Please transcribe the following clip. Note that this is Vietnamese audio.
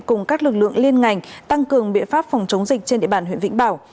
cùng các lực lượng liên ngành tăng cường biện pháp phòng chống dịch trên địa bàn huyện vĩnh bảo